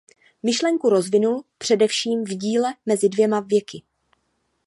Myšlenku rozvinul především v díle Mezi dvěma věky.